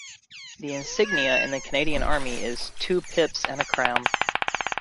The insignia in the Canadian Army is two pips and a crown.